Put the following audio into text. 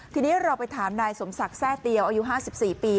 ทีนี้เราไปถามนายสมศักดิ์แทร่เตียวอายุ๕๔ปี